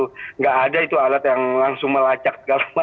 tidak ada alat yang langsung melacak